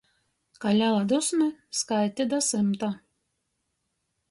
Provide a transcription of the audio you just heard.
Ka lela dusme, skaiti da symta.